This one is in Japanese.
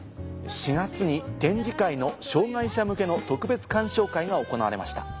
４月に展示会の障がい者向けの特別鑑賞会が行われました。